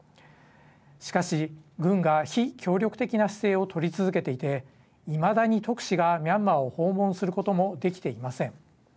しかし、軍が非協力的な姿勢をとり続けていていまだに特使がミャンマーを訪問することもできていません。